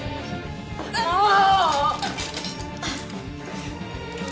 もう！